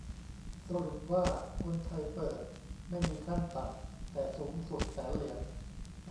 สรุปว่า คนไทยเปิด ไม่มีขั้นต่ำ แต่สูงสุด แสนเหรียญ